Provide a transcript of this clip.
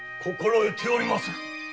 心得ておりまする。